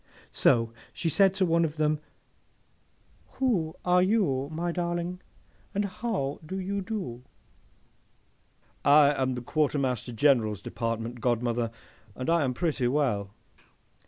So, she said to one of them, 'Who are you, my darling, and how do you do?'—'I am the Quartermaster General's Department, godmother, and I am pretty well.